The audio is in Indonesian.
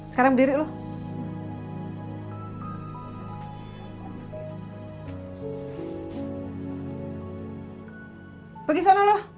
sekarang berdiri lo